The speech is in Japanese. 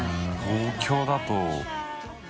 東京だと。